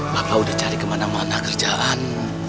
bapak udah cari kemana mana kerjaan